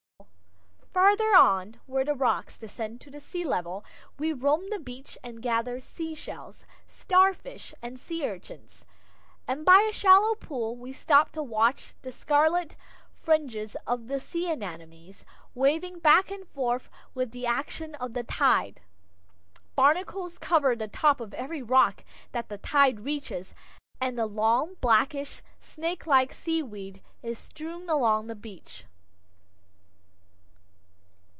Farther on, where the rocks descend to the sea level, we roam the beach and gather sea shells, starfish, and sea urchins; and by a shallow pool we stop to watch the scarlet fringes of the sea anemones, waving back and forth with the action of the tide. Barnacles cover the top of every rock that the tide reaches, and the long, blackish, snakelike seaweed is strewn along the beach.